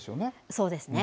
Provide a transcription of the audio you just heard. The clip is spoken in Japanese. そうですね。